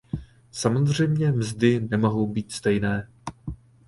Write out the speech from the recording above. Samozřejmě mzdy nemohou být stejné.